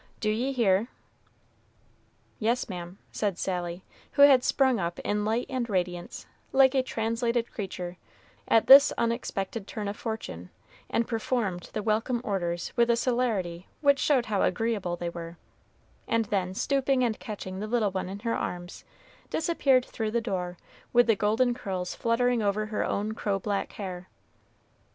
D'ye hear?" "Yes, ma'am," said Sally, who had sprung up in light and radiance, like a translated creature, at this unexpected turn of fortune, and performed the welcome orders with a celerity which showed how agreeable they were; and then, stooping and catching the little one in her arms, disappeared through the door, with the golden curls fluttering over her own crow black hair.